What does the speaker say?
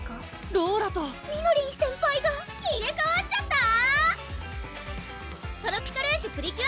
ローラとみのりん先輩が入れ代わっちゃった⁉トロピカルジュ！